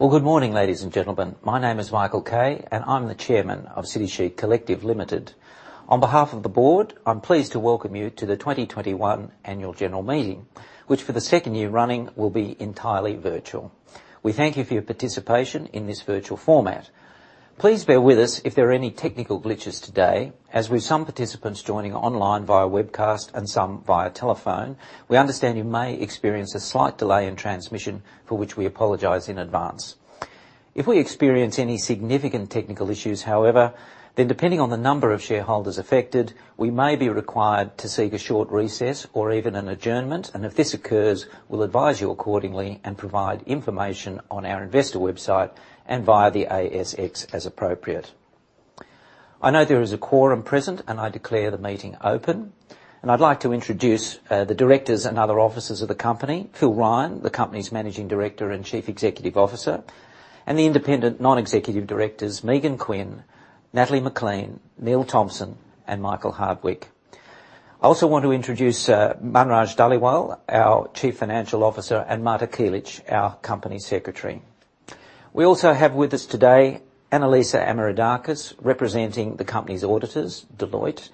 Well, good morning, ladies and gentlemen. My name is Michael Kay, and I'm the Chairman of City Chic Collective Limited. On behalf of the board, I'm pleased to welcome you to the 2021 annual general meeting, which for the second year running will be entirely virtual. We thank you for your participation in this virtual format. Please bear with us if there are any technical glitches today, as with some participants joining online via webcast and some via telephone. We understand you may experience a slight delay in transmission, for which we apologize in advance. If we experience any significant technical issues, however, then depending on the number of shareholders affected, we may be required to seek a short recess or even an adjournment. If this occurs, we'll advise you accordingly and provide information on our investor website and via the ASX as appropriate. I know there is a quorum present, and I declare the meeting open. I'd like to introduce the directors and other officers of the company. Phil Ryan, the company's Managing Director and Chief Executive Officer, and the Independent Non-Executive Directors, Megan Quinn, Natalie McLean, Neil Thompson, and Michael Hardwick. I also want to introduce Munraj Dhaliwal, our Chief Financial Officer, and Marta Kielich, our Company Secretary. We also have with us today Annalisa Amirsakis, representing the company's auditors, Deloitte,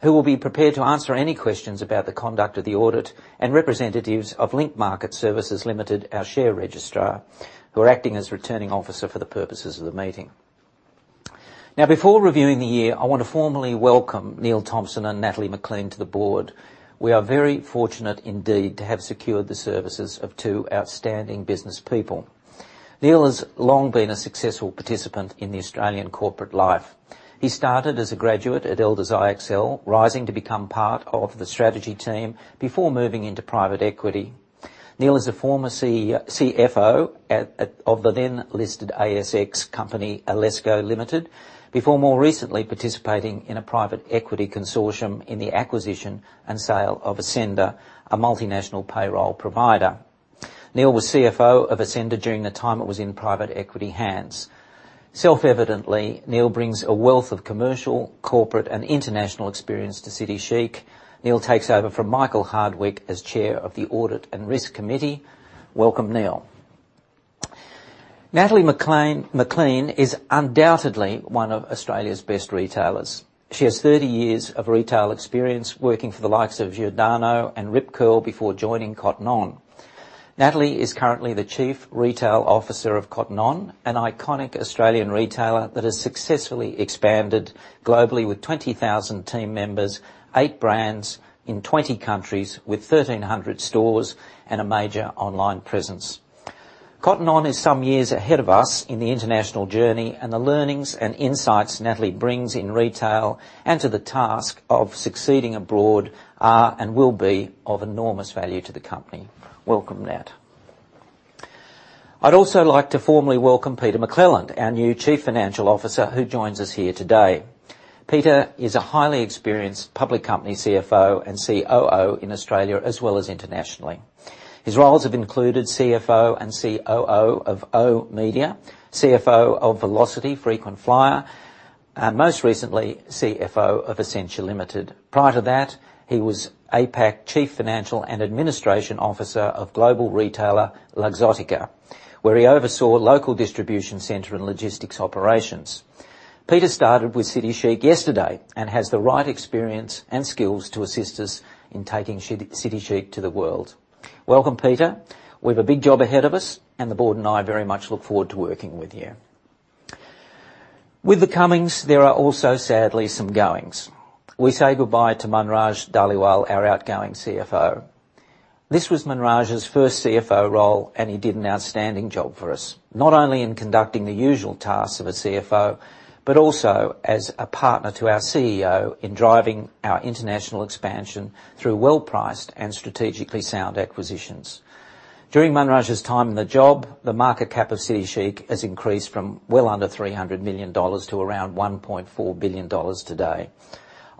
who will be prepared to answer any questions about the conduct of the audit and representatives of Link Market Services Limited, our share registrar, who are acting as Returning Officer for the purposes of the meeting. Now, before reviewing the year, I want to formally welcome Neil Thompson and Natalie McLean to the board. We are very fortunate indeed to have secured the services of two outstanding businesspeople. Neil has long been a successful participant in the Australian corporate life. He started as a graduate at Elders IXL, rising to become part of the strategy team before moving into private equity. Neil is a former CFO of the then-listed ASX company, Alesco Limited, before more recently participating in a private equity consortium in the acquisition and sale of Ascender, a multinational payroll provider. Neil was CFO of Ascender during the time it was in private equity hands. Self-evidently, Neil brings a wealth of commercial, corporate, and international experience to City Chic. Neil takes over from Michael Hardwick as Chair of the Audit and Risk Committee. Welcome, Neil. Natalie McLean is undoubtedly one of Australia's best retailers. She has 30 years of retail experience working for the likes of Giordano and Rip Curl before joining Cotton On. Natalie is currently the Chief Retail Officer of Cotton On, an iconic Australian retailer that has successfully expanded globally with 20,000 team members, eight brands in 20 countries with 1,300 stores and a major online presence. Cotton On is some years ahead of us in the international journey, and the learnings and insights Natalie brings in retail and to the task of succeeding abroad are and will be of enormous value to the company. Welcome, Nat. I'd also like to formally welcome Peter McClelland, our new Chief Financial Officer, who joins us here today. Peter is a highly experienced public company CFO and COO in Australia, as well as internationally. His roles have included CFO and COO of oOh!media, CFO of Velocity Frequent Flyer, and most recently, CFO of Isentia Limited. Prior to that, he was APAC Chief Financial and Administration Officer of global retailer Luxottica, where he oversaw local distribution center and logistics operations. Peter started with City Chic yesterday and has the right experience and skills to assist us in taking City Chic to the world. Welcome, Peter. We have a big job ahead of us, and the board and I very much look forward to working with you. With the comings, there are also, sadly, some goings. We say goodbye to Munraj Dhaliwal, our outgoing CFO. This was Munraj's first CFO role, and he did an outstanding job for us, not only in conducting the usual tasks of a CFO, but also as a partner to our CEO in driving our international expansion through well-priced and strategically sound acquisitions. During Munraj Dhaliwal's time in the job, the market cap of City Chic has increased from well under 300 million dollars to around 1.4 billion dollars today.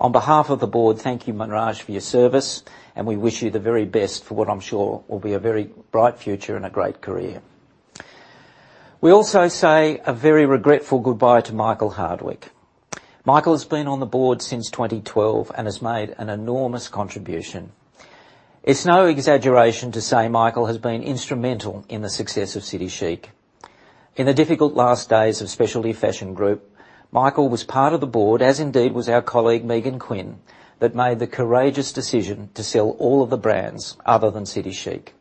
On behalf of the board, thank you, Munraj Dhaliwal, for your service, and we wish you the very best for what I'm sure will be a very bright future and a great career. We also say a very regretful goodbye to Michael Hardwick. Michael has been on the board since 2012 and has made an enormous contribution. It's no exaggeration to say Michael has been instrumental in the success of City Chic. In the difficult last days of Specialty Fashion Group, Michael was part of the board, as indeed was our colleague, Megan Quinn, that made the courageous decision to sell all of the brands other than City Chic.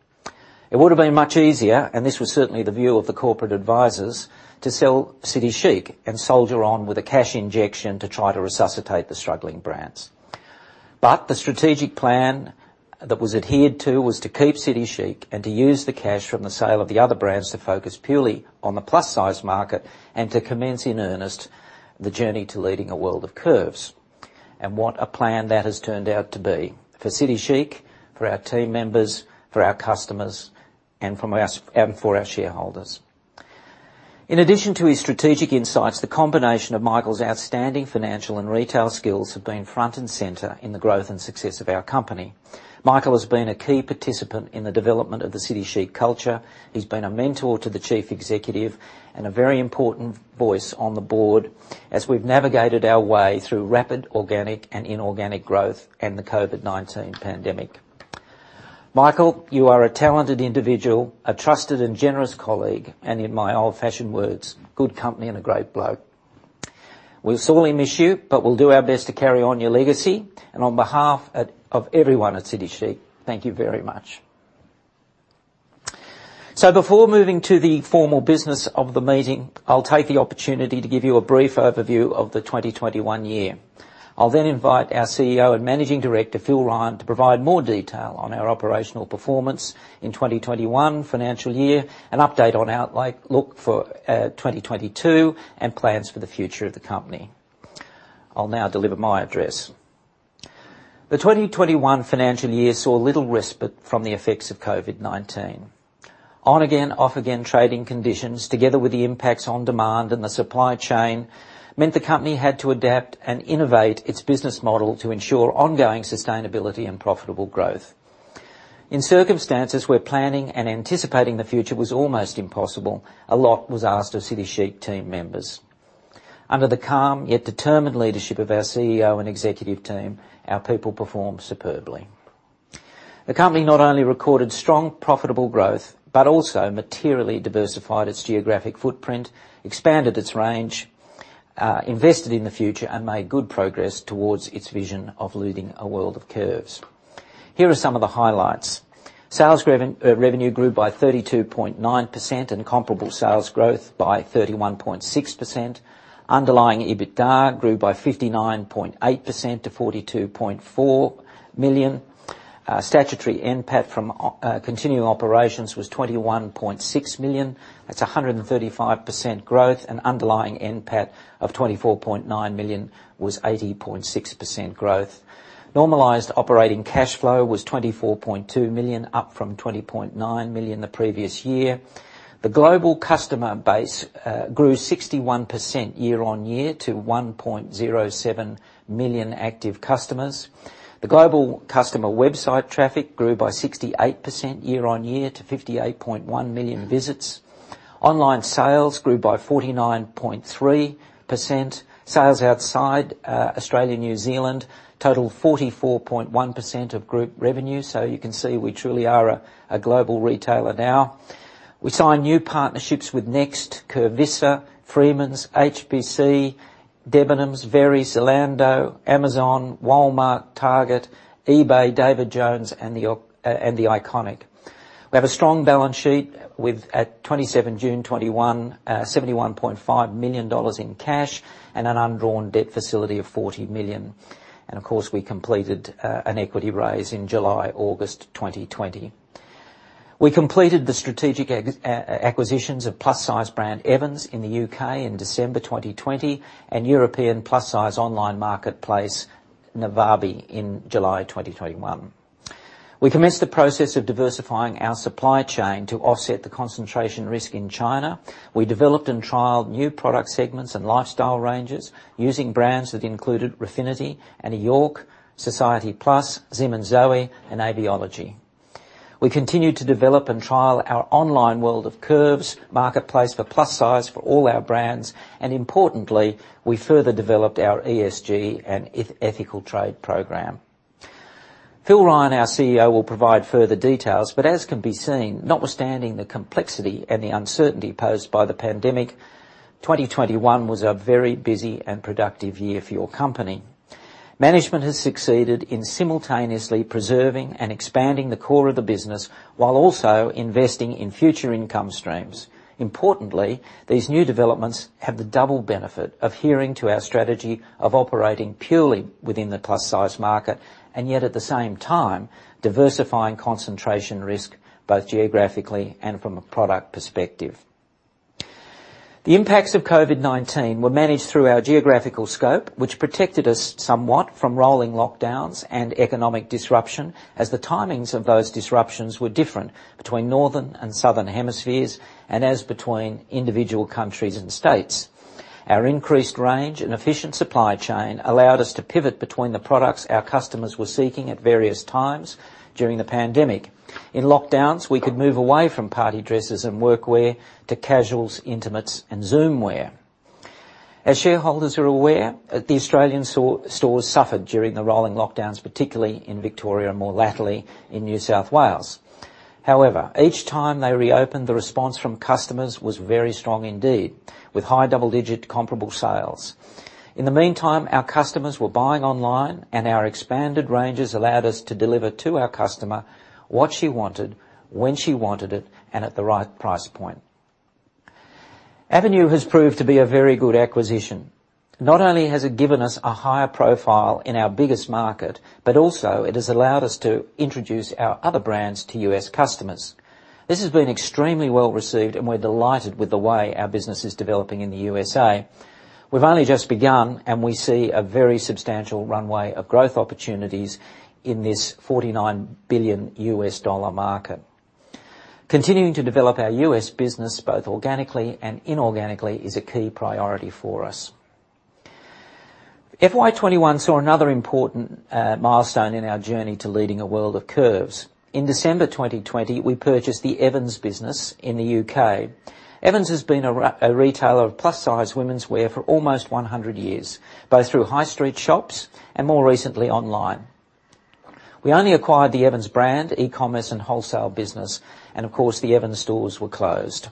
It would have been much easier, and this was certainly the view of the corporate advisors, to sell City Chic and soldier on with a cash injection to try to resuscitate the struggling brands. The strategic plan that was adhered to was to keep City Chic and to use the cash from the sale of the other brands to focus purely on the plus-size market and to commence in earnest the journey to leading a world of curves. What a plan that has turned out to be for City Chic, for our team members, for our customers, and for our shareholders. In addition to his strategic insights, the combination of Michael's outstanding financial and retail skills have been front and center in the growth and success of our company. Michael has been a key participant in the development of the City Chic culture. He's been a mentor to the chief executive and a very important voice on the board as we've navigated our way through rapid organic and inorganic growth and the COVID-19 pandemic. Michael, you are a talented individual, a trusted and generous colleague, and in my old-fashioned words, good company and a great bloke. We'll sorely miss you, but we'll do our best to carry on your legacy. On behalf of everyone at City Chic, thank you very much. Before moving to the formal business of the meeting, I'll take the opportunity to give you a brief overview of the 2021 year. I'll then invite our CEO and Managing Director, Phil Ryan, to provide more detail on our operational performance in 2021 financial year, an update on outlook for 2022, and plans for the future of the company. I'll now deliver my address. The 2021 financial year saw little respite from the effects of COVID-19. On-again, off-again trading conditions, together with the impacts on demand and the supply chain, meant the company had to adapt and innovate its business model to ensure ongoing sustainability and profitable growth. In circumstances where planning and anticipating the future was almost impossible, a lot was asked of City Chic team members. Under the calm yet determined leadership of our CEO and executive team, our people performed superbly. The company not only recorded strong profitable growth, but also materially diversified its geographic footprint, expanded its range, invested in the future, and made good progress towards its vision of leading a world of curves. Here are some of the highlights. Sales revenue grew by 32.9% and comparable sales growth by 31.6%. Underlying EBITDA grew by 59.8% to 42.4 million. Statutory NPAT from continuing operations was 21.6 million. That's 135% growth, and underlying NPAT of 24.9 million was 80.6% growth. Normalized operating cash flow was 24.2 million, up from 20.9 million the previous year. The global customer base grew 61% year-on-year to 1.07 million active customers. The global customer website traffic grew by 68% year-on-year to 58.1 million visits. Online sales grew by 49.3%. Sales outside Australia, New Zealand totaled 44.1% of group revenue. You can see we truly are a global retailer now. We signed new partnerships with Next, Curvissa, Freemans, HBC, Debenhams, Very, Zalando, Amazon, Walmart, Target, eBay, David Jones, and The Iconic. We have a strong balance sheet with, as at 27 June 2021, 71.5 million dollars in cash and an undrawn debt facility of 40 million. Of course, we completed an equity raise in July and August 2020. We completed the strategic acquisitions of plus-size brand Evans in the U.K. in December 2020, and European plus-size online marketplace Navabi in July 2021. We commenced the process of diversifying our supply chain to offset the concentration risk in China. We developed and trialed new product segments and lifestyle ranges using brands that included Refinity, Arna York, Societie+, Zim & Zoe, and Aveology. We continued to develop and trial our online world of curves, marketplace for plus size for all our brands, and importantly, we further developed our ESG and ethical trade program. Phil Ryan, our CEO, will provide further details, but as can be seen, notwithstanding the complexity and the uncertainty posed by the pandemic, 2021 was a very busy and productive year for your company. Management has succeeded in simultaneously preserving and expanding the core of the business while also investing in future income streams. Importantly, these new developments have the double benefit of adhering to our strategy of operating purely within the plus-size market, and yet at the same time, diversifying concentration risk, both geographically and from a product perspective. The impacts of COVID-19 were managed through our geographical scope, which protected us somewhat from rolling lockdowns and economic disruption, as the timings of those disruptions were different between northern and southern hemispheres, and as between individual countries and states. Our increased range and efficient supply chain allowed us to pivot between the products our customers were seeking at various times during the pandemic. In lockdowns, we could move away from party dresses and work wear to casuals, intimates, and Zoom wear. As shareholders are aware, the Australian stores suffered during the rolling lockdowns, particularly in Victoria and more latterly in New South Wales. However, each time they reopened, the response from customers was very strong indeed, with high double-digit comparable sales. In the meantime, our customers were buying online and our expanded ranges allowed us to deliver to our customer what she wanted, when she wanted it, and at the right price point. Avenue has proved to be a very good acquisition. Not only has it given us a higher profile in our biggest market, but also it has allowed us to introduce our other brands to U.S. customers. This has been extremely well-received, and we're delighted with the way our business is developing in the U.S.A. We've only just begun, and we see a very substantial runway of growth opportunities in this $49 billion U.S. dollar market. Continuing to develop our U.S. business, both organically and inorganically, is a key priority for us. FY 2021 saw another important milestone in our journey to leading a world of curves. In December 2020, we purchased the Evans business in the U.K. Evans has been a retailer of plus-size women's wear for almost 100 years, both through high street shops and more recently online. We only acquired the Evans brand, e-commerce and wholesale business, and of course, the Evans stores were closed.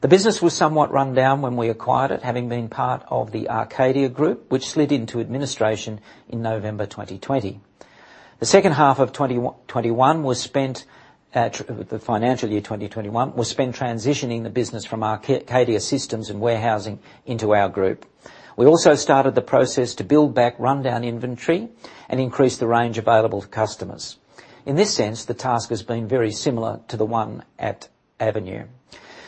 The business was somewhat run down when we acquired it, having been part of the Arcadia Group, which slid into administration in November 2020. The financial year 2021 was spent transitioning the business from Arcadia's systems and warehousing into our group. We also started the process to build back rundown inventory and increase the range available to customers. In this sense, the task has been very similar to the one at Avenue.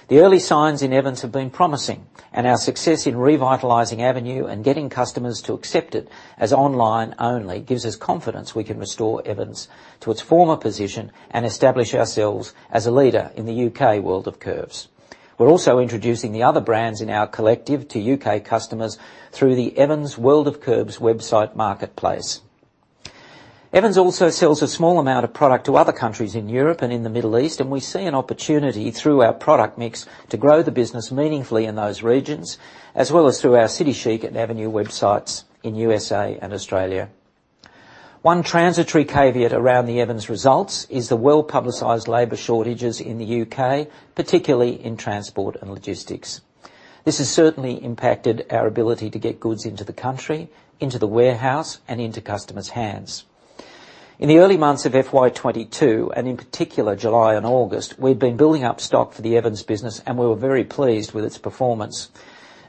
The early signs in Evans have been promising, and our success in revitalizing Avenue and getting customers to accept it as online only gives us confidence we can restore Evans to its former position and establish ourselves as a leader in the U.K. world of curves. We're also introducing the other brands in our collective to U.K. customers through the Evans World of Curves website marketplace. Evans also sells a small amount of product to other countries in Europe and in the Middle East, and we see an opportunity through our product mix to grow the business meaningfully in those regions, as well as through our City Chic and Avenue websites in U.S.A. and Australia. One transitory caveat around the Evans results is the well-publicized labor shortages in the U.K., particularly in transport and logistics. This has certainly impacted our ability to get goods into the country, into the warehouse, and into customers' hands. In the early months of FY 2022, and in particular, July and August, we've been building up stock for the Evans business, and we were very pleased with its performance.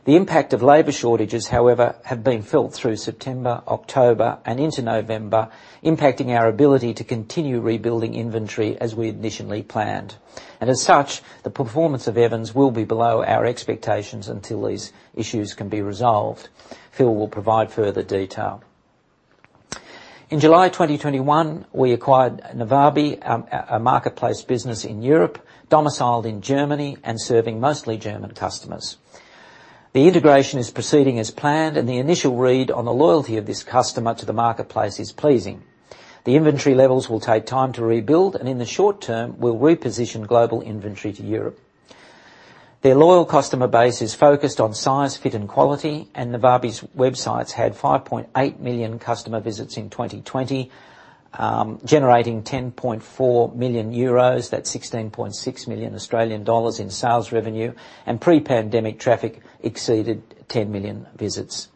The impact of labor shortages, however, have been felt through September, October, and into November, impacting our ability to continue rebuilding inventory as we additionally planned. As such, the performance of Evans will be below our expectations until these issues can be resolved. Phil will provide further detail. In July 2021, we acquired Navabi, a marketplace business in Europe, domiciled in Germany and serving mostly German customers. The integration is proceeding as planned, and the initial read on the loyalty of this customer to the marketplace is pleasing. The inventory levels will take time to rebuild, and in the short term, we'll reposition global inventory to Europe. Their loyal customer base is focused on size, fit, and quality, and Navabi's websites had 5.8 million customer visits in 2020, generating 10.4 million euros. That's 16.6 million Australian dollars in sales revenue, and pre-pandemic traffic exceeded 10 million visits.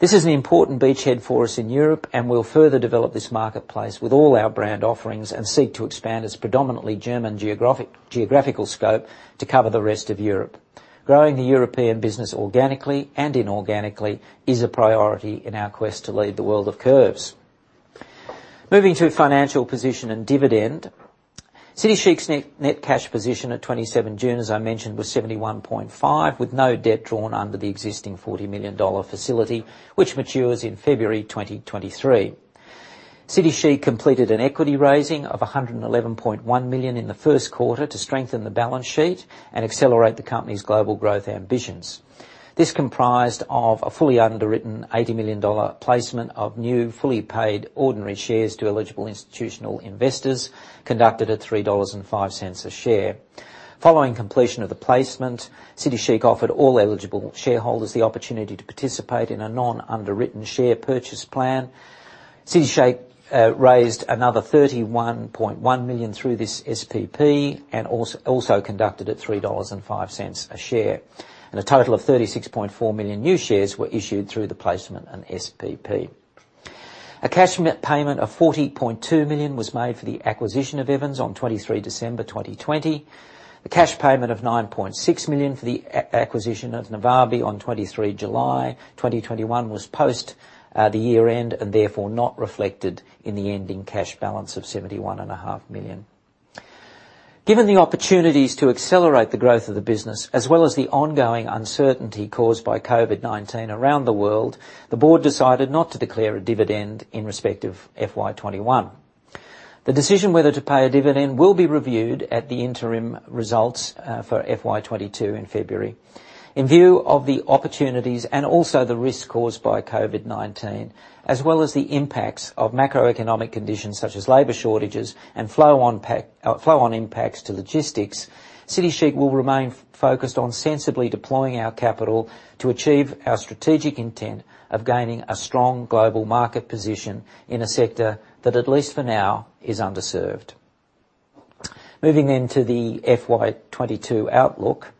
This is an important beachhead for us in Europe, and we'll further develop this marketplace with all our brand offerings and seek to expand its predominantly German geographical scope to cover the rest of Europe. Growing the European business organically and inorganically is a priority in our quest to lead the world of curves. Moving to financial position and dividend. City Chic's net cash position at 27 June, as I mentioned, was 71.5 million, with no debt drawn under the existing 40 million dollar facility, which matures in February 2023. City Chic completed an equity raising of 111.1 million in the first quarter to strengthen the balance sheet and accelerate the company's global growth ambitions. This comprised of a fully underwritten 80 million dollar placement of new, fully paid ordinary shares to eligible institutional investors, conducted at 3.05 dollars a share. Following completion of the placement, City Chic offered all eligible shareholders the opportunity to participate in a non-underwritten share purchase plan. City Chic raised another 31.1 million through this SPP and also conducted at 3.05 dollars a share. A total of 36.4 million new shares were issued through the placement and SPP. A cash payment of 40.2 million was made for the acquisition of Evans on 23 December 2020. A cash payment of 9.6 million for the acquisition of Navabi on 23 July 2021 was post the year-end and therefore not reflected in the ending cash balance of 71.5 million. Given the opportunities to accelerate the growth of the business, as well as the ongoing uncertainty caused by COVID-19 around the world, the board decided not to declare a dividend in respect of FY 2021. The decision whether to pay a dividend will be reviewed at the interim results for FY 2022 in February. In view of the opportunities and also the risk caused by COVID-19, as well as the impacts of macroeconomic conditions such as labor shortages and flow-on impacts to logistics, City Chic will remain focused on sensibly deploying our capital to achieve our strategic intent of gaining a strong global market position in a sector that, at least for now, is underserved. Moving into the FY 2022 outlook.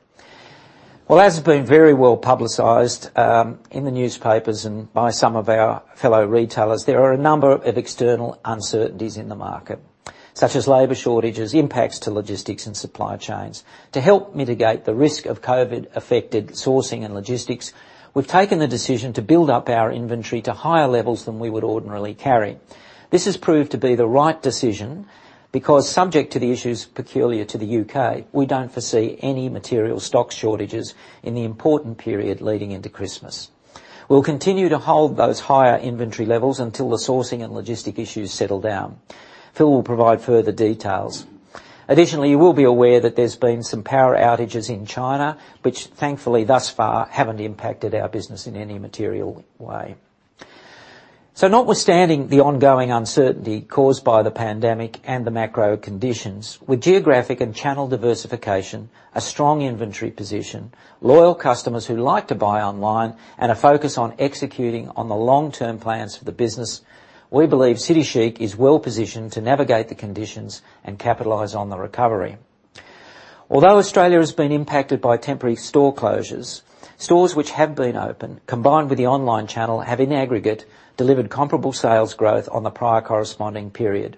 Well, as has been very well-publicized in the newspapers and by some of our fellow retailers, there are a number of external uncertainties in the market, such as labor shortages, impacts to logistics and supply chains. To help mitigate the risk of COVID-affected sourcing and logistics, we've taken the decision to build up our inventory to higher levels than we would ordinarily carry. This has proved to be the right decision because subject to the issues peculiar to the U.K., we don't foresee any material stock shortages in the important period leading into Christmas. We'll continue to hold those higher inventory levels until the sourcing and logistics issues settle down. Phil will provide further details. Additionally, you will be aware that there's been some power outages in China, which thankfully thus far haven't impacted our business in any material way. Notwithstanding the ongoing uncertainty caused by the pandemic and the macro conditions, with geographic and channel diversification, a strong inventory position, loyal customers who like to buy online, and a focus on executing on the long-term plans for the business, we believe City Chic is well-positioned to navigate the conditions and capitalize on the recovery. Although Australia has been impacted by temporary store closures, stores which have been open, combined with the online channel, have in aggregate delivered comparable sales growth on the prior corresponding period.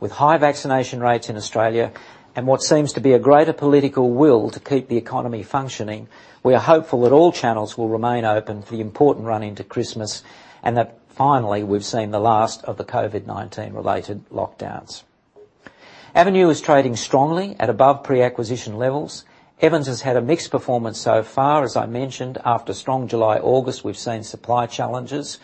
With high vaccination rates in Australia and what seems to be a greater political will to keep the economy functioning, we are hopeful that all channels will remain open for the important run into Christmas, and that finally we've seen the last of the COVID-19 related lockdowns. Avenue is trading strongly at above pre-acquisition levels. Evans has had a mixed performance so far. As I mentioned, after strong July, August, we've seen supply challenges.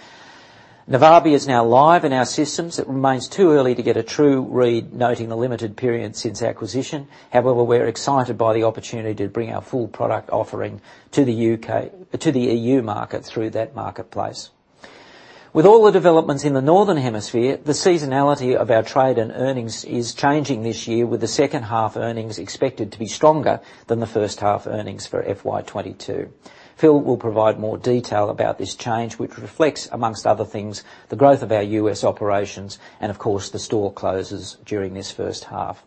Navabi is now live in our systems. It remains too early to get a true read, noting the limited period since acquisition. However, we're excited by the opportunity to bring our full product offering to the U.K., to the EU market through that marketplace. With all the developments in the northern hemisphere, the seasonality of our trade and earnings is changing this year, with the second half earnings expected to be stronger than the first half earnings for FY 2022. Phil will provide more detail about this change, which reflects, among other things, the growth of our U.S. operations and of course, the store closures during this first half.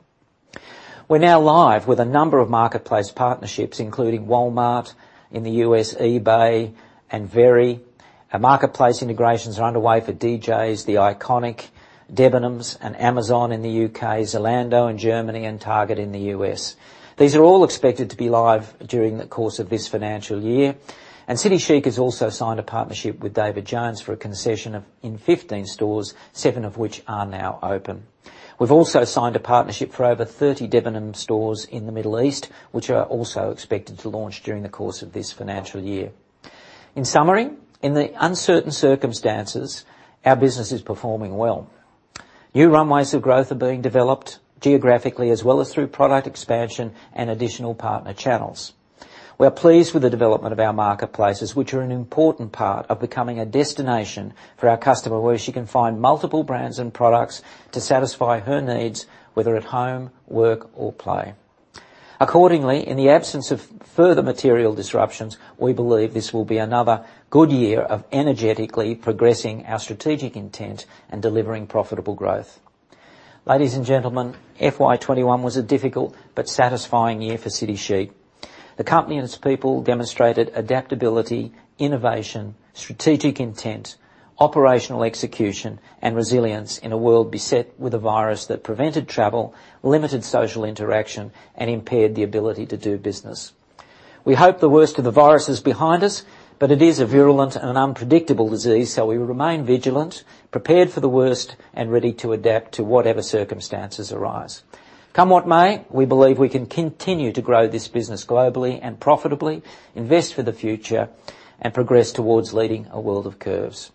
We're now live with a number of marketplace partnerships, including Walmart in the U.S., eBay and Very. Our marketplace integrations are underway for DJs, The Iconic, Debenhams, and Amazon in the U.K., Zalando in Germany, and Target in the U.S. These are all expected to be live during the course of this financial year. City Chic has also signed a partnership with David Jones for a concession in 15 stores, seven of which are now open. We've also signed a partnership for over 30 Debenhams stores in the Middle East, which are also expected to launch during the course of this financial year. In summary, in the uncertain circumstances, our business is performing well. New runways of growth are being developed geographically as well as through product expansion and additional partner channels. We are pleased with the development of our marketplaces, which are an important part of becoming a destination for our customer, where she can find multiple brands and products to satisfy her needs, whether at home, work or play. Accordingly, in the absence of further material disruptions, we believe this will be another good year of energetically progressing our strategic intent and delivering profitable growth. Ladies and gentlemen, FY 2021 was a difficult, but satisfying year for City Chic. The company and its people demonstrated adaptability, innovation, strategic intent, operational execution, and resilience in a world beset with a virus that prevented travel, limited social interaction, and impaired the ability to do business. We hope the worst of the virus is behind us, but it is a virulent and unpredictable disease, so we remain vigilant, prepared for the worst, and ready to adapt to whatever circumstances arise. Come what may, we believe we can continue to grow this business globally and profitably, invest for the future, and progress towards leading a world of curves.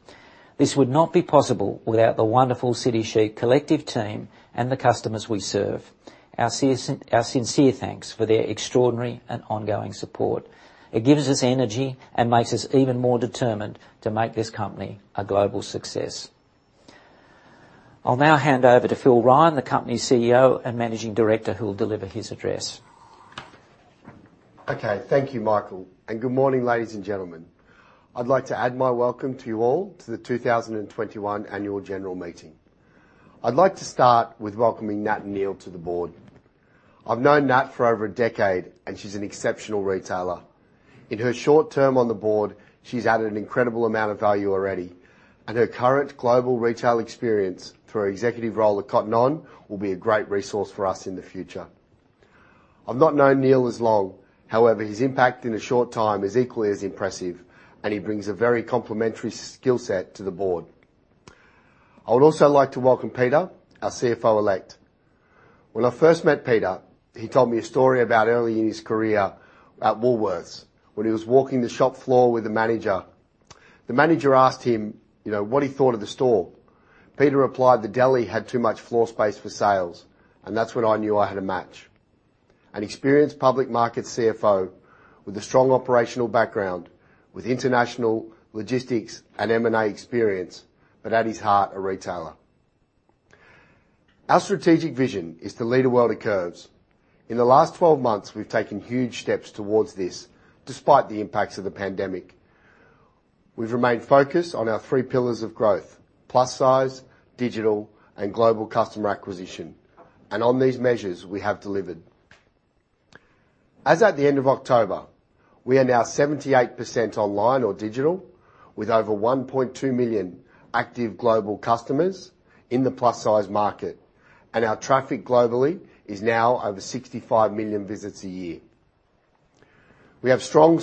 This would not be possible without the wonderful City Chic Collective team and the customers we serve. Our sincere thanks for their extraordinary and ongoing support. It gives us energy and makes us even more determined to make this company a global success. I'll now hand over to Phil Ryan, the company's CEO and Managing Director, who will deliver his address. Okay. Thank you, Michael, and good morning, ladies and gentlemen. I'd like to add my welcome to you all to the 2021 annual general meeting. I'd like to start with welcoming Nat and Neil to the board. I've known Nat for over a decade and she's an exceptional retailer. In her short term on the board, she's added an incredible amount of value already, and her current global retail experience through her executive role at Cotton On will be a great resource for us in the future. I've not known Neil as long, however, his impact in a short time is equally as impressive, and he brings a very complementary skill set to the board. I would also like to welcome Peter, our CFO-elect. When I first met Peter, he told me a story about early in his career at Woolworths when he was walking the shop floor with a manager. The manager asked him, you know, what he thought of the store. Peter replied, "The deli had too much floor space for sales." That's when I knew I had a match, an experienced public market CFO with a strong operational background, with international logistics and M&A experience, but at his heart, a retailer. Our strategic vision is to lead a world of curves. In the last 12 months, we've taken huge steps towards this, despite the impacts of the pandemic. We've remained focused on our three pillars of growth: plus size, digital, and global customer acquisition and on these measures, we have delivered. As at the end of October, we are now 78% online or digital with over 1.2 million active global customers in the plus-size market. Our traffic globally is now over 65 million visits a year. We have strong,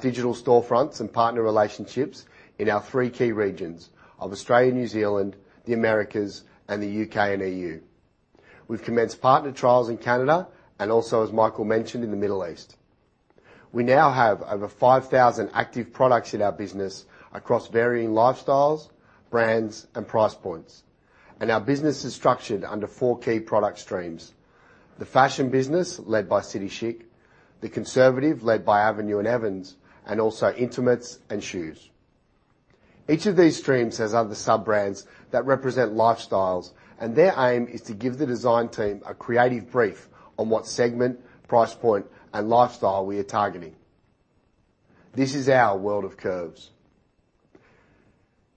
digital storefronts and partner relationships in our three key regions of Australia, New Zealand, the Americas and the U.K. and EU. We've commenced partner trials in Canada and also, as Michael mentioned, in the Middle East. We now have over 5,000 active products in our business across varying lifestyles, brands and price points. Our business is structured under four key product streams. The fashion business led by City Chic, the conservative led by Avenue and Evans, and also Intimates and Shoes. Each of these streams has other sub-brands that represent lifestyles, and their aim is to give the design team a creative brief on what segment, price point, and lifestyle we are targeting. This is our world of curves.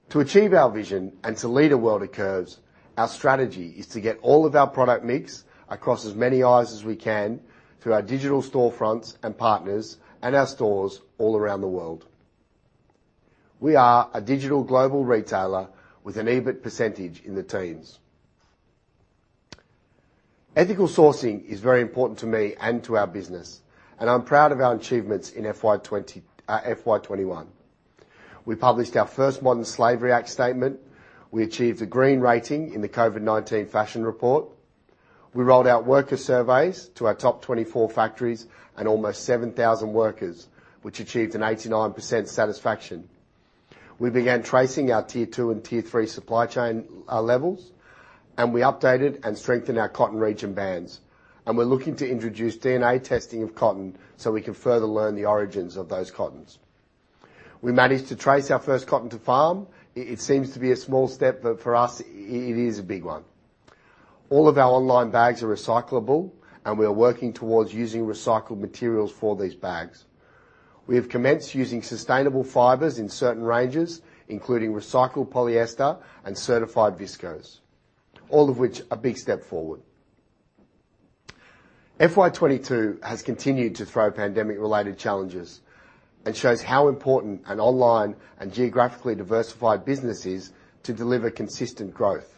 To achieve our vision and to lead a world of curves, our strategy is to get all of our product mix across as many eyes as we can through our digital storefronts and partners, and our stores all around the world. We are a digital global retailer with an EBIT percentage in the teens. Ethical sourcing is very important to me and to our business, and I'm proud of our achievements in FY 2021. We published our first Modern Slavery Act statement. We achieved a green rating in the COVID-19 fashion report. We rolled out worker surveys to our top 24 factories and almost 7,000 workers, which achieved an 89% satisfaction. We began tracing our tier two and tier three supply chain levels, and we updated and strengthened our cotton region bans. We're looking to introduce DNA testing of cotton so we can further learn the origins of those cottons. We managed to trace our first cotton to farm. It seems to be a small step, but for us, it is a big one. All of our online bags are recyclable, and we are working towards using recycled materials for these bags. We have commenced using sustainable fibers in certain ranges, including recycled polyester and certified viscose, all of which are a big step forward. FY 2022 has continued to throw pandemic-related challenges and shows how important an online and geographically diversified business is to deliver consistent growth.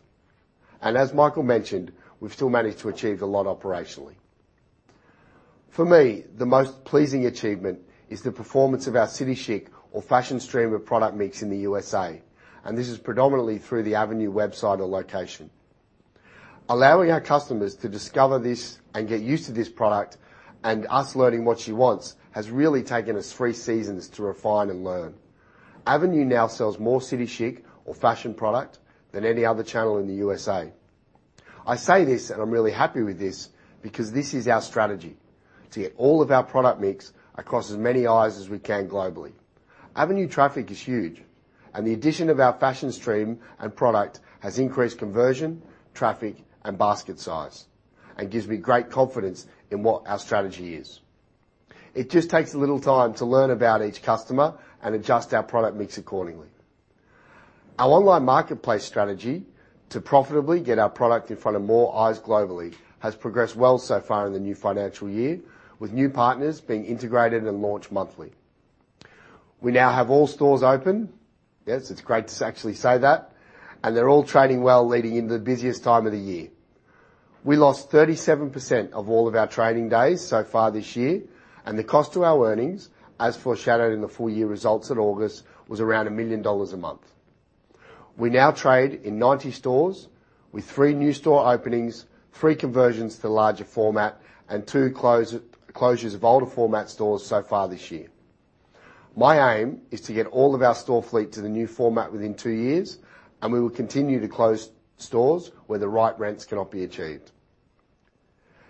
As Michael mentioned, we've still managed to achieve a lot operationally. For me, the most pleasing achievement is the performance of our City Chic core fashion stream of product mix in the U.S.A., and this is predominantly through the Avenue website or location. Allowing our customers to discover this and get used to this product, and us learning what she wants, has really taken us three seasons to refine and learn. Avenue now sells more City Chic core fashion product than any other channel in the U.S.A. I say this, and I'm really happy with this because this is our strategy to get all of our product mix across as many eyes as we can globally. Avenue traffic is huge, and the addition of our fashion stream and product has increased conversion, traffic, and basket size, and gives me great confidence in what our strategy is. It just takes a little time to learn about each customer and adjust our product mix accordingly. Our online marketplace strategy to profitably get our product in front of more eyes globally has progressed well so far in the new financial year, with new partners being integrated and launched monthly. We now have all stores open. Yes, it's great to actually say that, and they're all trading well leading into the busiest time of the year. We lost 37% of all of our trading days so far this year, and the cost to our earnings, as foreshadowed in the full-year results in August, was around 1 million dollars a month. We now trade in 90 stores with three new store openings, three conversions to larger format, and two closures of older format stores so far this year. My aim is to get all of our store fleet to the new format within two years, and we will continue to close stores where the right rents cannot be achieved.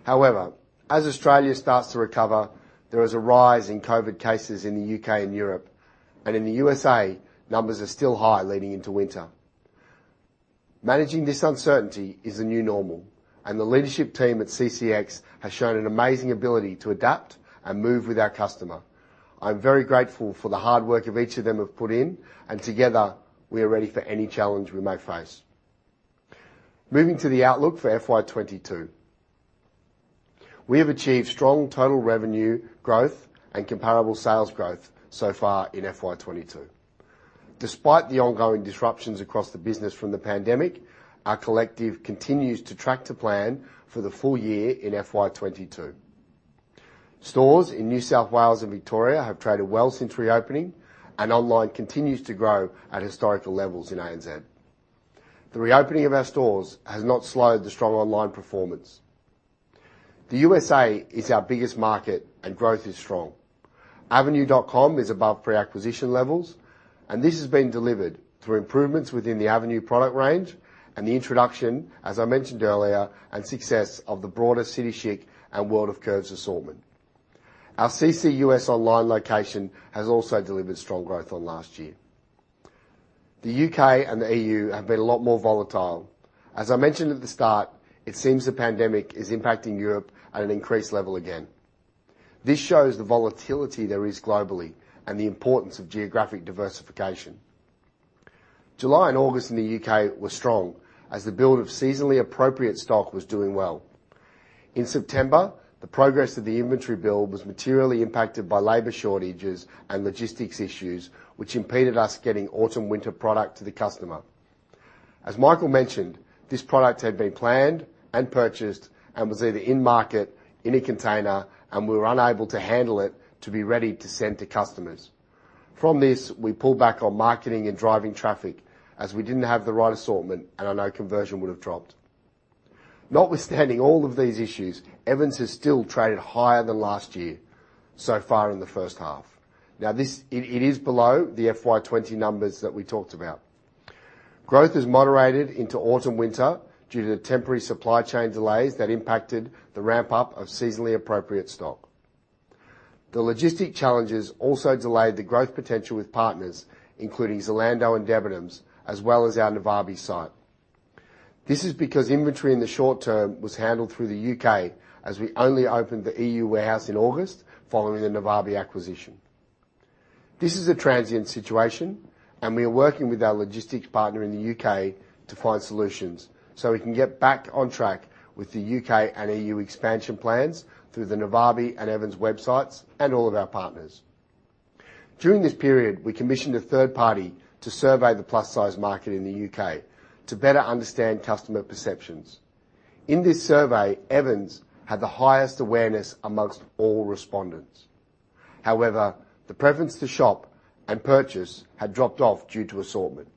However, as Australia starts to recover, there is a rise in COVID-19 cases in the U.K. and Europe, and in the U.S.A., numbers are still high leading into winter. Managing this uncertainty is the new normal, and the leadership team at CCX has shown an amazing ability to adapt and move with our customer. I'm very grateful for the hard work of each of them have put in, and together we are ready for any challenge we may face. Moving to the outlook for FY 2022. We have achieved strong total revenue growth and comparable sales growth so far in FY 2022. Despite the ongoing disruptions across the business from the pandemic, our collective continues to track to plan for the full year in FY 2022. Stores in New South Wales and Victoria have traded well since reopening, and online continues to grow at historical levels in ANZ. The reopening of our stores has not slowed the strong online performance. The U.S.A. is our biggest market and growth is strong. avenue.com is above pre-acquisition levels, and this has been delivered through improvements within the Avenue product range and the introduction, as I mentioned earlier, and success of the broader City Chic and World of Curves assortment. Our CC U.S. online location has also delivered strong growth on last year. The U.K. and the EU have been a lot more volatile. As I mentioned at the start, it seems the pandemic is impacting Europe at an increased level again. This shows the volatility there is globally and the importance of geographic diversification. July and August in the U.K. were strong as the build of seasonally appropriate stock was doing well. In September, the progress of the inventory build was materially impacted by labor shortages and logistics issues, which impeded us getting autumn/winter product to the customer. As Michael mentioned, this product had been planned and purchased and was either in market, in a container, and we were unable to handle it to be ready to send to customers. From this, we pulled back on marketing and driving traffic as we didn't have the right assortment, and I know conversion would have dropped. Notwithstanding all of these issues, Evans has still traded higher than last year so far in the first half. It is below the FY 2020 numbers that we talked about. Growth has moderated into autumn/winter due to the temporary supply chain delays that impacted the ramp-up of seasonally appropriate stock. The logistic challenges also delayed the growth potential with partners, including Zalando and Debenhams, as well as our Navabi site. This is because inventory in the short term was handled through the U.K., as we only opened the EU warehouse in August following the Navabi acquisition. This is a transient situation, and we are working with our logistics partner in the U.K. to find solutions so we can get back on track with the U.K. and EU expansion plans through the Navabi and Evans websites and all of our partners. During this period, we commissioned a third party to survey the plus-size market in the U.K. to better understand customer perceptions. In this survey, Evans had the highest awareness among all respondents. However, the preference to shop and purchase had dropped off due to assortment,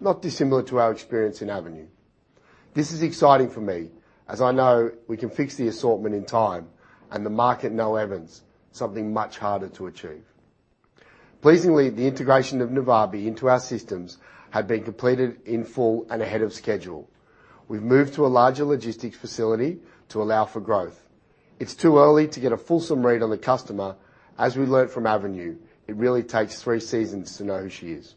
not dissimilar to our experience in Avenue. This is exciting for me, as I know we can fix the assortment in time and the market knows Evans, something much harder to achieve. Pleasingly, the integration of Navabi into our systems had been completed in full and ahead of schedule. We've moved to a larger logistics facility to allow for growth. It's too early to get a fulsome read on the customer. As we learned from Avenue, it really takes three seasons to know who she is.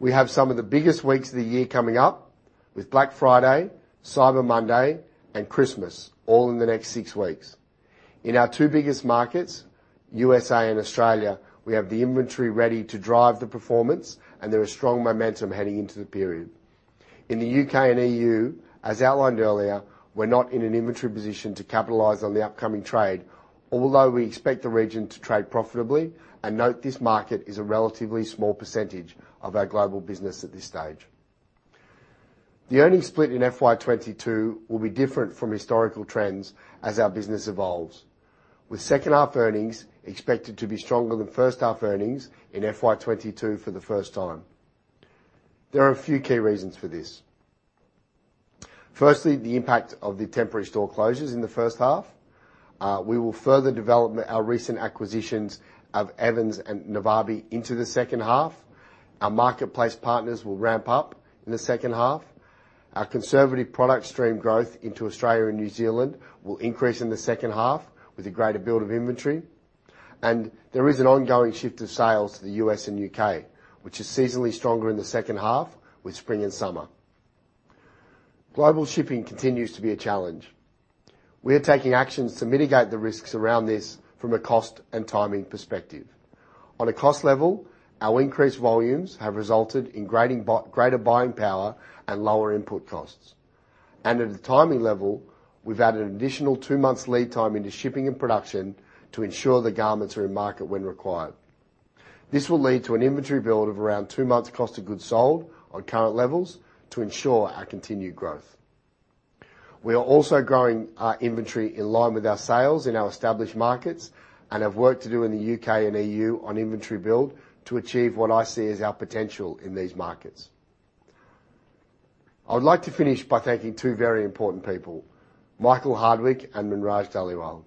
We have some of the biggest weeks of the year coming up with Black Friday, Cyber Monday, and Christmas all in the next six weeks. In our two biggest markets, U.S.A. and Australia, we have the inventory ready to drive the performance and there is strong momentum heading into the period. In the U.K. and EU, as outlined earlier, we're not in an inventory position to capitalize on the upcoming trade, although we expect the region to trade profitably, and note this market is a relatively small percentage of our global business at this stage. The earnings split in FY 2022 will be different from historical trends as our business evolves, with second half earnings expected to be stronger than first half earnings in FY 2022 for the first time. There are a few key reasons for this. Firstly, the impact of the temporary store closures in the first half. We will further develop our recent acquisitions of Evans and Navabi into the second half. Our marketplace partners will ramp up in the second half. Our conservative product stream growth into Australia and New Zealand will increase in the second half with a greater build of inventory. There is an ongoing shift of sales to the U.S. and U.K., which is seasonally stronger in the second half with spring and summer. Global shipping continues to be a challenge. We are taking actions to mitigate the risks around this from a cost and timing perspective. On a cost level, our increased volumes have resulted in greater buying power and lower input costs. At a timing level, we've added an additional two months lead time into shipping and production to ensure the garments are in market when required. This will lead to an inventory build of around two months cost of goods sold on current levels to ensure our continued growth. We are also growing our inventory in line with our sales in our established markets and have work to do in the U.K. and E.U. on inventory build to achieve what I see as our potential in these markets. I would like to finish by thanking two very important people, Michael Hardwick and Munraj Dhaliwal.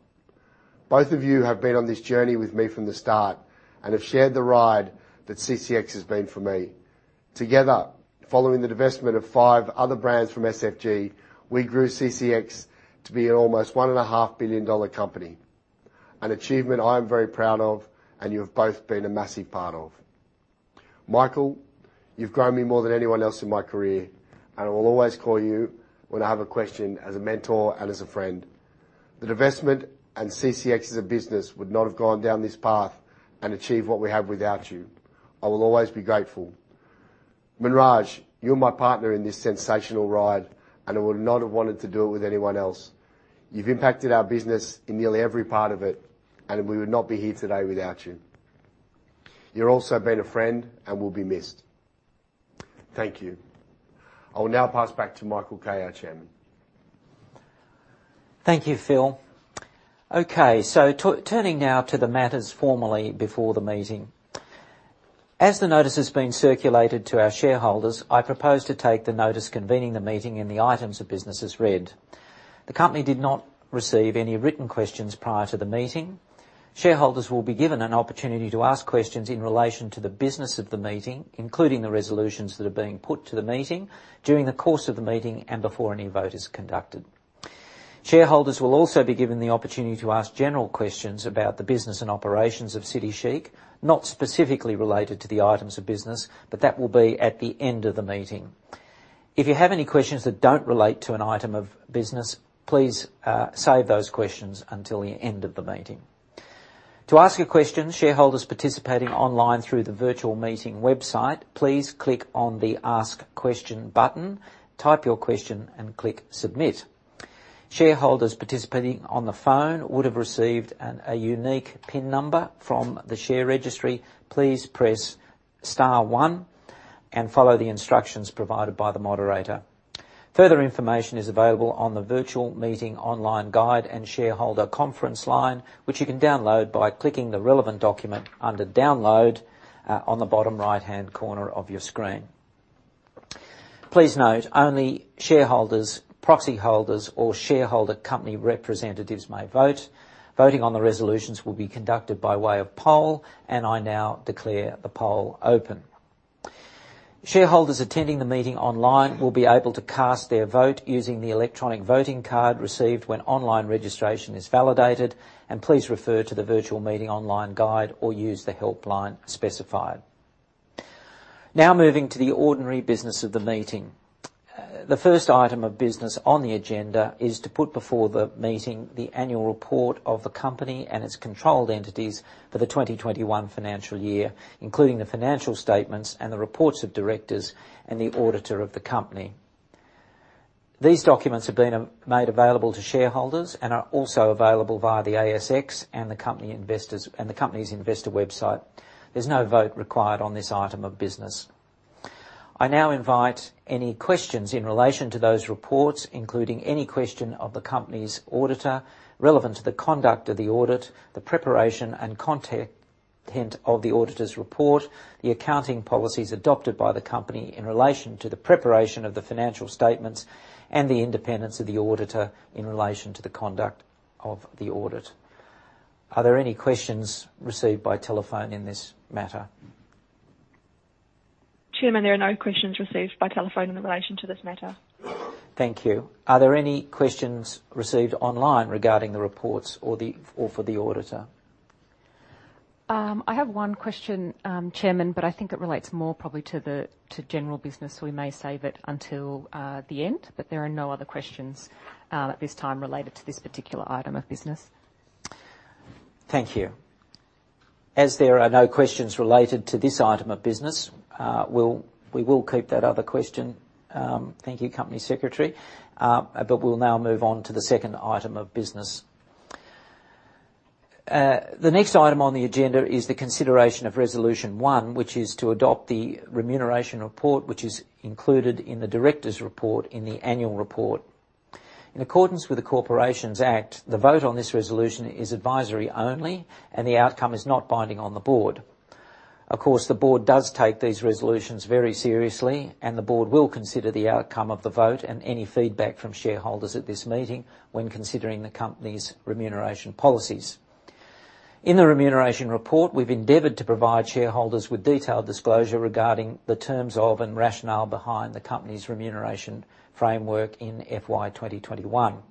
Both of you have been on this journey with me from the start and have shared the ride that CCX has been for me. Together, following the divestment of five other brands from SFG, we grew CCX to be an almost 1.5 billion dollar company, an achievement I am very proud of and you have both been a massive part of. Michael, you've grown me more than anyone else in my career, and I will always call you when I have a question as a mentor and as a friend. The divestment and CCX as a business would not have gone down this path and achieve what we have without you. I will always be grateful. Munraj, you're my partner in this sensational ride and I would not have wanted to do it with anyone else. You've impacted our business in nearly every part of it, and we would not be here today without you. You're also been a friend and will be missed. Thank you. I will now pass back to Michael Kay, our chairman. Thank you, Phil. Okay. Turning now to the matters formally before the meeting. As the notice has been circulated to our shareholders, I propose to take the notice convening the meeting and the items of business as read. The company did not receive any written questions prior to the meeting. Shareholders will be given an opportunity to ask questions in relation to the business of the meeting, including the resolutions that are being put to the meeting during the course of the meeting and before any vote is conducted. Shareholders will also be given the opportunity to ask general questions about the business and operations of City Chic, not specifically related to the items of business, but that will be at the end of the meeting. If you have any questions that don't relate to an item of business, please save those questions until the end of the meeting. To ask a question, shareholders participating online through the virtual meeting website, please click on the Ask Question button, type your question, and click Submit. Shareholders participating on the phone would have received a unique PIN number from the share registry. Please press star one and follow the instructions provided by the moderator. Further information is available on the Virtual Meeting Online Guide and Shareholder Conference Line, which you can download by clicking the relevant document under Download on the bottom right-hand corner of your screen. Please note only shareholders, proxy holders, or shareholder company representatives may vote. Voting on the resolutions will be conducted by way of poll, and I now declare the poll open. Shareholders attending the meeting online will be able to cast their vote using the electronic voting card received when online registration is validated, and please refer to the Virtual Meeting Online Guide or use the helpline specified. Now moving to the ordinary business of the meeting. The first item of business on the agenda is to put before the meeting the annual report of the company and its controlled entities for the 2021 financial year, including the financial statements and the reports of directors and the auditor of the company. These documents have been made available to shareholders and are also available via the ASX and the company's investor website. There's no vote required on this item of business. I now invite any questions in relation to those reports, including any question of the company's auditor relevant to the conduct of the audit, the preparation and content of the auditor's report, the accounting policies adopted by the company in relation to the preparation of the financial statements, and the independence of the auditor in relation to the conduct of the audit. Are there any questions received by telephone in this matter? Chairman, there are no questions received by telephone in relation to this matter. Thank you. Are there any questions received online regarding the reports for the auditor? I have one question, Chairman, but I think it relates more probably to general business. We may save it until the end, but there are no other questions at this time related to this particular item of business. Thank you. As there are no questions related to this item of business, we will keep that other question, thank you, Company Secretary. We'll now move on to the second item of business. The next item on the agenda is the consideration of resolution one, which is to adopt the remuneration report, which is included in the director's report in the annual report. In accordance with the Corporations Act, the vote on this resolution is advisory only, and the outcome is not binding on the board. Of course, the board does take these resolutions very seriously, and the board will consider the outcome of the vote and any feedback from shareholders at this meeting when considering the company's remuneration policies. In the remuneration report, we've endeavored to provide shareholders with detailed disclosure regarding the terms of and rationale behind the company's remuneration framework in FY 2021.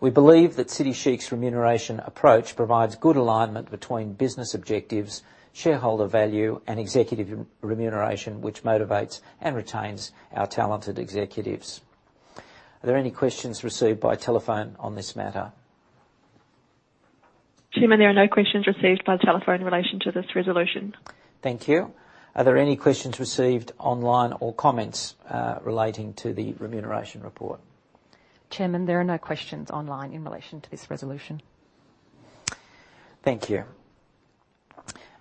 We believe that City Chic's remuneration approach provides good alignment between business objectives, shareholder value, and executive remuneration, which motivates and retains our talented executives. Are there any questions received by telephone on this matter? Chairman, there are no questions received by telephone in relation to this resolution. Thank you. Are there any questions received online or comments, relating to the remuneration report? Chairman, there are no questions online in relation to this resolution. Thank you.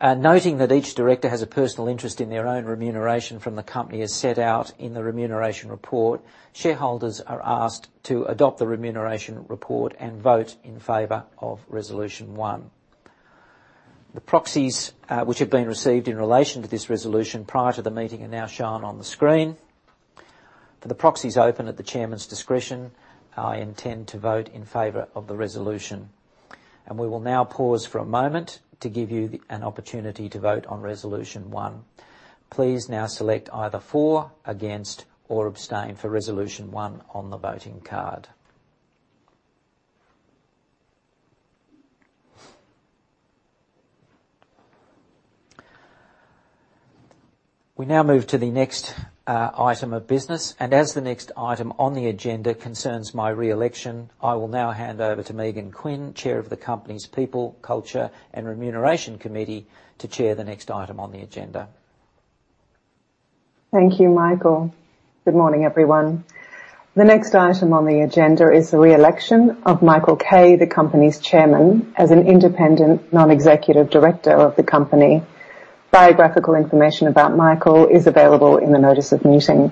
Noting that each director has a personal interest in their own remuneration from the company, as set out in the remuneration report, shareholders are asked to adopt the remuneration report and vote in favor of resolution one. The proxies, which have been received in relation to this resolution prior to the meeting are now shown on the screen. For the proxies open at the Chairman's discretion, I intend to vote in favor of the resolution. We will now pause for a moment to give you an opportunity to vote on resolution one. Please now select either for, against, or abstain for resolution one on the voting card. We now move to the next item of business, and as the next item on the agenda concerns my re-election, I will now hand over to Megan Quinn, Chair of the company's People, Culture and Remuneration Committee, to chair the next item on the agenda. Thank you, Michael. Good morning, everyone. The next item on the agenda is the re-election of Michael Kay, the company's Chairman, as an independent non-executive director of the company. Biographical information about Michael is available in the notice of meeting.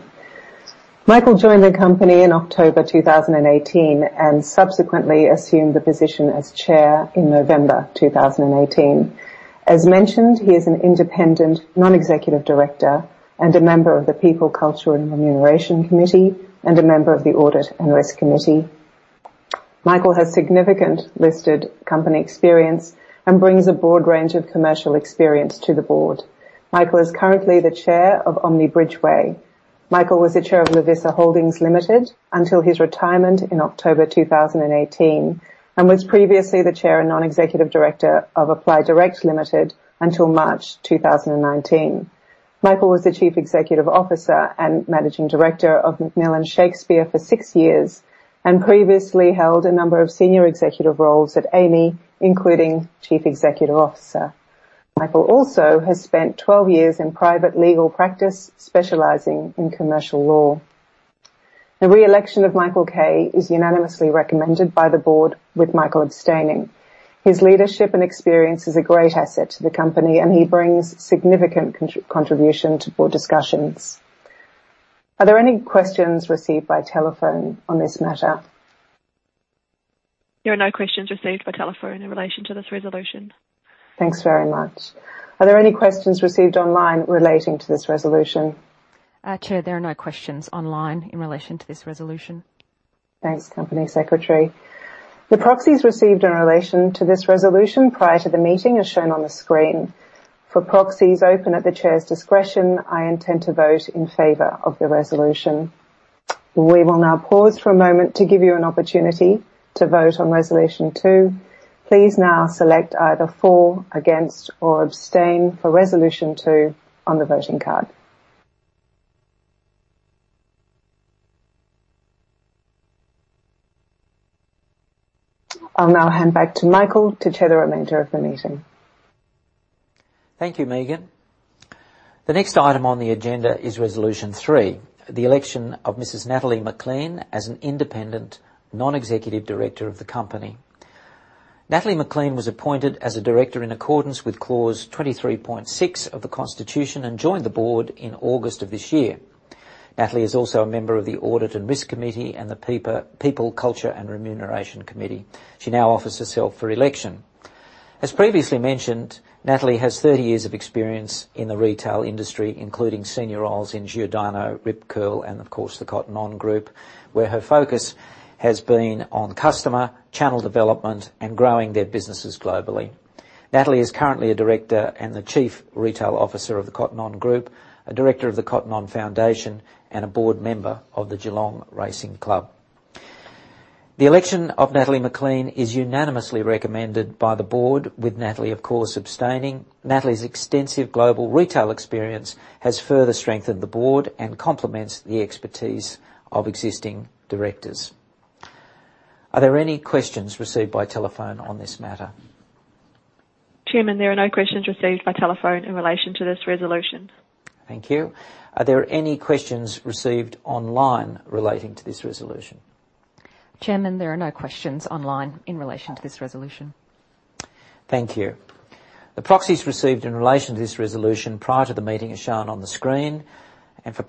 Michael joined the company in October 2018 and subsequently assumed the position as Chair in November 2018. As mentioned, he is an independent non-executive director and a member of the People, Culture and Remuneration Committee and a member of the Audit and Risk Committee. Michael has significant listed company experience and brings a broad range of commercial experience to the board. Michael is currently the Chair of Omni Bridgeway. Michael was the Chair of Lovisa Holdings Limited until his retirement in October 2018 and was previously the Chair and non-executive director of ApplyDirect Limited until March 2019. Michael was the Chief Executive Officer and Managing Director of McMillan Shakespeare for six years and previously held a number of senior executive roles at Amey, including Chief Executive Officer. Michael also has spent 12 years in private legal practice, specializing in commercial law. The re-election of Michael Kay is unanimously recommended by the board, with Michael abstaining. His leadership and experience is a great asset to the company, and he brings significant contribution to board discussions. Are there any questions received by telephone on this matter? There are no questions received by telephone in relation to this resolution. Thanks very much. Are there any questions received online relating to this resolution? Chair, there are no questions online in relation to this resolution. Thanks, Company Secretary. The proxies received in relation to this resolution prior to the meeting are shown on the screen. For proxies open at the Chair's discretion, I intend to vote in favor of the resolution. We will now pause for a moment to give you an opportunity to vote on resolution two. Please now select either for, against, or abstain for resolution two on the voting card. I'll now hand back to Michael to chair the remainder of the meeting. Thank you, Megan. The next item on the agenda is resolution three, the election of Mrs. Natalie McLean as an Independent Non-Executive Director of the company. Natalie McLean was appointed as a director in accordance with clause 23.6 of the Constitution and joined the board in August of this year. Natalie is also a member of the Audit and Risk Committee and the People, Culture and Remuneration Committee. She now offers herself for election. As previously mentioned, Natalie has 30 years of experience in the retail industry, including senior roles in Giordano, Rip Curl and, of course, the Cotton On Group, where her focus has been on customer, channel development and growing their businesses globally. Natalie is currently a director and the Chief Retail Officer of the Cotton On Group, a director of the Cotton On Foundation, and a board member of the Geelong Racing Club. The election of Natalie McLean is unanimously recommended by the board with Natalie, of course, abstaining. Natalie's extensive global retail experience has further strengthened the board and complements the expertise of existing directors. Are there any questions received by telephone on this matter? Chairman, there are no questions received by telephone in relation to this resolution. Thank you. Are there any questions received online relating to this resolution? Chairman, there are no questions online in relation to this resolution. Thank you. The proxies received in relation to this resolution prior to the meeting is shown on the screen. For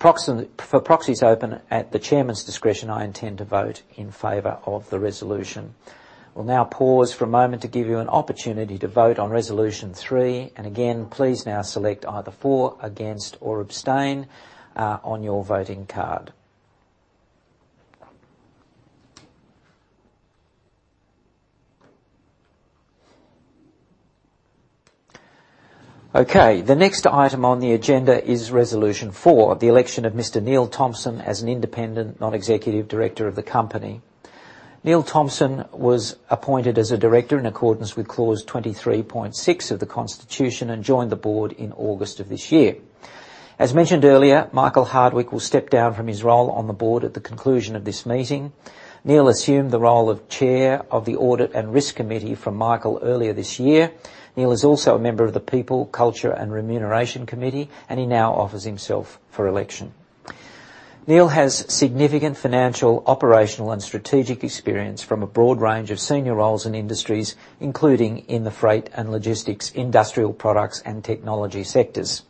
proxies open at the chairman's discretion, I intend to vote in favor of the resolution. We'll now pause for a moment to give you an opportunity to vote on resolution three. Again, please now select either for, against, or abstain on your voting card. Okay. The next item on the agenda is resolution four, the election of Mr. Neil Thompson as an Independent Non-Executive Director of the company. Neil Thompson was appointed as a director in accordance with clause 23.6 of the Constitution and joined the board in August of this year. As mentioned earlier, Michael Hardwick will step down from his role on the board at the conclusion of this meeting. Neil assumed the role of Chair of the Audit and Risk Committee from Michael earlier this year. Neil is also a member of the People, Culture and Remuneration Committee, and he now offers himself for election. Neil has significant financial, operational and strategic experience from a broad range of senior roles in industries, including in the freight and logistics, industrial products and technology sectors.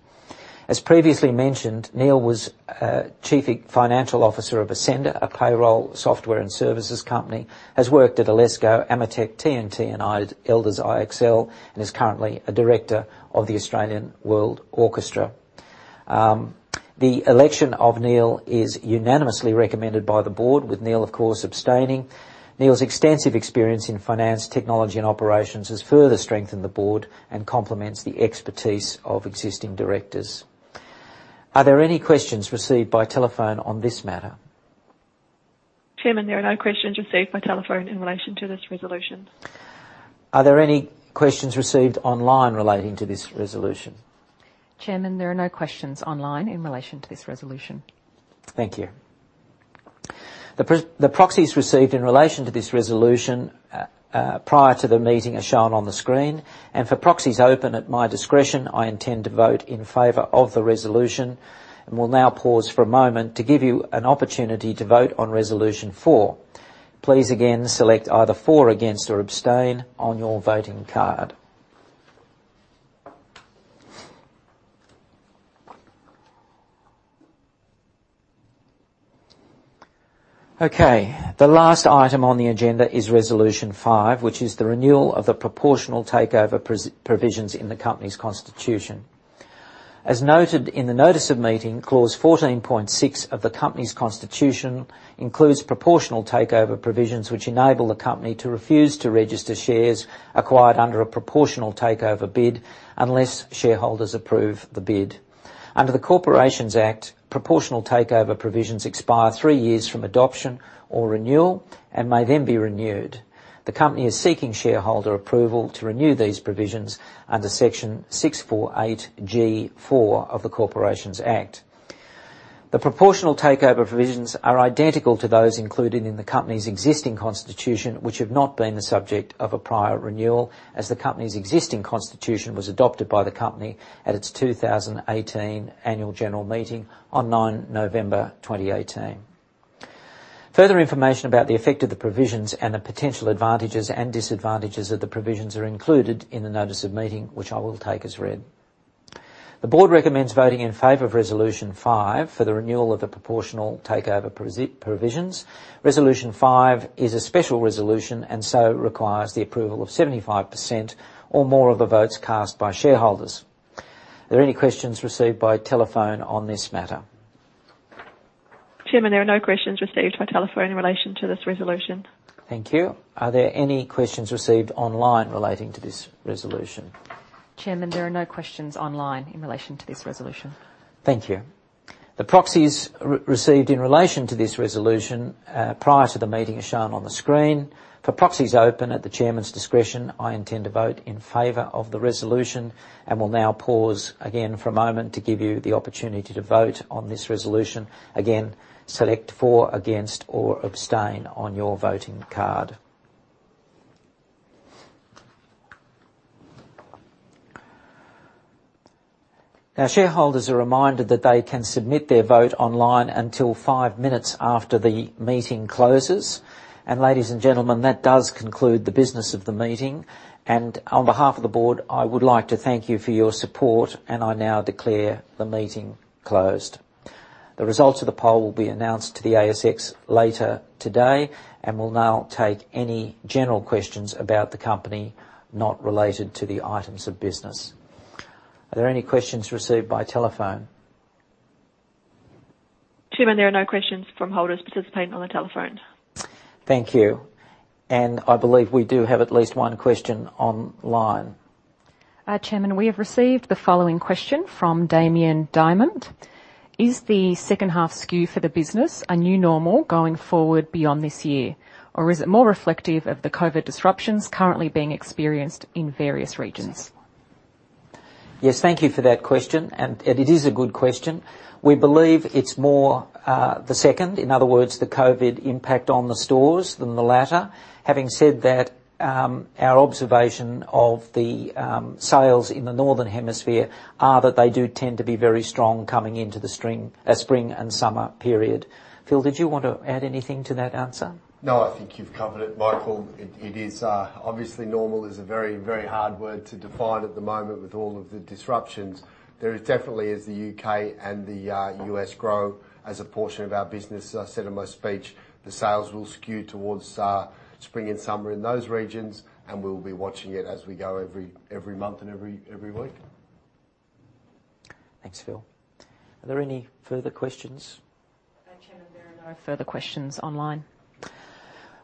As previously mentioned, Neil was Chief Financial Officer of Ascender, a payroll software and services company, has worked at Alesco, Amcor, TNT and Elders IXL, and is currently a director of the Australian World Orchestra. The election of Neil is unanimously recommended by the board, with Neil, of course, abstaining. Neil's extensive experience in finance, technology and operations has further strengthened the board and complements the expertise of existing directors. Are there any questions received by telephone on this matter? Chairman, there are no questions received by telephone in relation to this resolution. Are there any questions received online relating to this resolution? Chairman, there are no questions online in relation to this resolution. Thank you. The proxies received in relation to this resolution prior to the meeting are shown on the screen. For proxies open at my discretion, I intend to vote in favor of the resolution. We'll now pause for a moment to give you an opportunity to vote on resolution four. Please again select either for, against, or abstain on your voting card. Okay. The last item on the agenda is resolution five, which is the renewal of the proportional takeover provisions in the company's constitution. As noted in the notice of meeting, clause 14.6 of the company's constitution includes proportional takeover provisions, which enable the company to refuse to register shares acquired under a proportional takeover bid unless shareholders approve the bid. Under the Corporations Act, proportional takeover provisions expire three years from adoption or renewal and may then be renewed. The company is seeking shareholder approval to renew these provisions under Section 648G(4) of the Corporations Act. The proportional takeover provisions are identical to those included in the company's existing constitution, which have not been the subject of a prior renewal as the company's existing constitution was adopted by the company at its 2018 annual general meeting on 9 November 2018. Further information about the effect of the provisions and the potential advantages and disadvantages of the provisions are included in the notice of meeting, which I will take as read. The board recommends voting in favor of resolution five for the renewal of the proportional takeover provisions. Resolution five is a special resolution and so requires the approval of 75% or more of the votes cast by shareholders. Are there any questions received by telephone on this matter? Chairman, there are no questions received by telephone in relation to this resolution. Thank you. Are there any questions received online relating to this resolution? Chairman, there are no questions online in relation to this resolution. Thank you. The proxies received in relation to this resolution, prior to the meeting are shown on the screen. For proxies open at the chairman's discretion, I intend to vote in favor of the resolution and will now pause again for a moment to give you the opportunity to vote on this resolution. Again, select for, against, or abstain on your voting card. Now, shareholders are reminded that they can submit their vote online until five minutes after the meeting closes. Ladies and gentlemen, that does conclude the business of the meeting. On behalf of the board, I would like to thank you for your support, and I now declare the meeting closed. The results of the poll will be announced to the ASX later today. I will now take any general questions about the company, not related to the items of business. Are there any questions received by telephone? Chairman, there are no questions from holders participating on the telephone. Thank you. I believe we do have at least one question online. Chairman, we have received the following question from Damian Diamond: Is the second half skew for the business a new normal going forward beyond this year? Or is it more reflective of the COVID disruptions currently being experienced in various regions? Yes, thank you for that question, and it is a good question. We believe it's more, the second, in other words, the COVID impact on the stores than the latter. Having said that, our observation of the sales in the northern hemisphere are that they do tend to be very strong coming into the spring and summer period. Phil, did you want to add anything to that answer? No, I think you've covered it, Michael. It is obviously normal is a very, very hard word to define at the moment with all of the disruptions. There is definitely as the U.K. and the U.S. grow as a portion of our business, as I said in my speech, the sales will skew towards spring and summer in those regions, and we'll be watching it as we go every month and every week. Thanks, Phil. Are there any further questions? Chairman, there are no further questions online.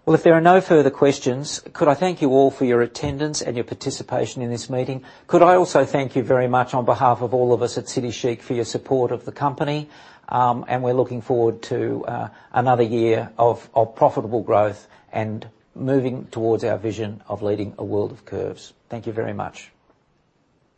Well, if there are no further questions, could I thank you all for your attendance and your participation in this meeting? Could I also thank you very much on behalf of all of us at City Chic for your support of the company? We're looking forward to another year of profitable growth and moving towards our vision of leading a world of curves. Thank you very much.